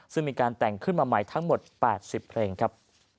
ซึ่งมีการแต่งขึ้นมาใหม่ทั้งหมด๘๐เพลงครับ